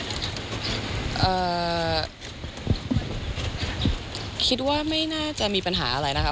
คิดว่าไม่น่าจะมีปัญหาอะไรนะคะ